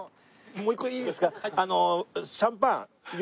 もう一個いいですか？